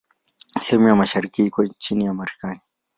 Sehemu ya mashariki iko chini ya Marekani.